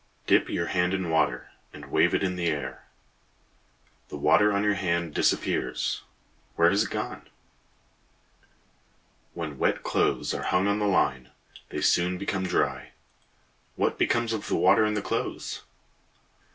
Dip your hand in water, and wave it in the air. The water on your hand disappears. Where has it gone? When wet clothes are hung on the line, they soon become dry. What becomes of the water in the clothes?